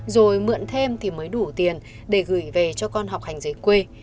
rồi mượn thêm thì mới đủ tiền để gửi về cho con học hành giới quê